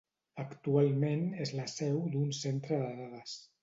Actualment és la seu d'un centre de dades.